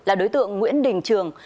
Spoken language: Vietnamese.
là đối tượng nguyễn đình trường